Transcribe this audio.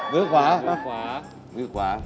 มือขวา